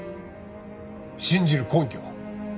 信じる根拠は？